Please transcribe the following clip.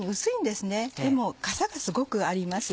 でもかさがすごくあります。